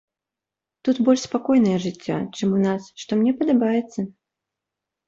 Тут больш спакойнае жыццё, чым у нас, што мне падабаецца.